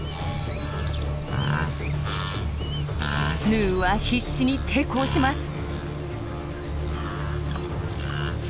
ヌーは必死に抵抗します。